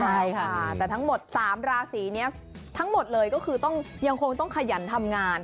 ใช่ค่ะแต่ทั้งหมด๓ราศีนี้ทั้งหมดเลยก็คือต้องยังคงต้องขยันทำงาน